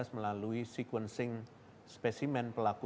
melalui sequencing spesimen pelaku